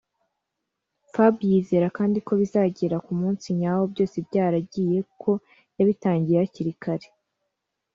Fab yizera kandi ko bizagera ku munsi nyawo byose byaragiye kuko yabitangiye hakiri kare